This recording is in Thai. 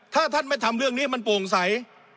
ถ้าท่านไม่ทำเรื่องนี้มันโปร่งใส